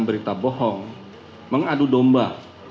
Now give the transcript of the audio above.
berita bohong mengadu domba